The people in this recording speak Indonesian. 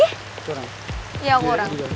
itu orang iya itu orang